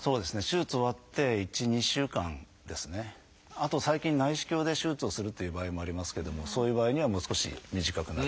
あと最近内視鏡で手術をするっていう場合もありますけれどもそういう場合にはもう少し短くなると。